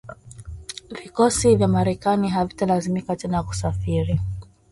Vikosi vya Marekani havitalazimika tena kusafiri